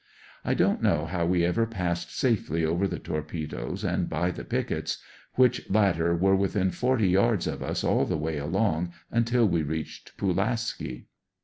I don't know how we ever passed safely over the torpedoes and by the pickets, which latter were within f ort}^ yards of us all the way along until we reached Pulaski.